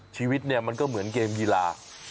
ชีวิตเนี่ยมันก็เหมือนเกมกีฬา